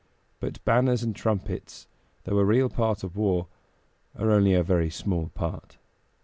But banners and trumpets, though a real part of war, are only a very small part.